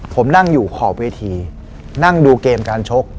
ผมนั่งอยู่ขอบเวทีนั่งดูเกมการชก